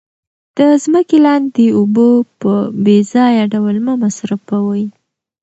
د ځمکې لاندې اوبه په بې ځایه ډول مه مصرفوئ.